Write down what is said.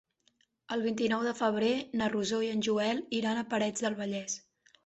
El vint-i-nou de febrer na Rosó i en Joel iran a Parets del Vallès.